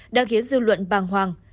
đã khiến dư luận bàng hoàng